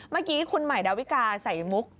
เมื่อกี้คุณใหม่ดาวิกาใส่มุก